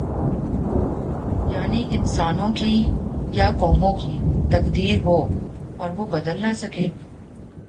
یعنی انسانوں کی یا قوموں کی تقدیر ہو اور وہ بدل نہ سکے۔